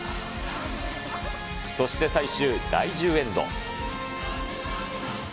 そして最終第１０エンド。